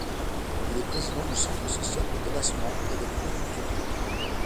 Il est président du Centre social de délassement et de Pro Cultura.